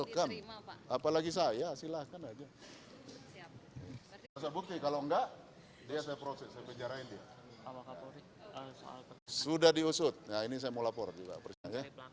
kalau datang sendiri apa akan diterima pak